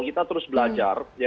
kita terus belajar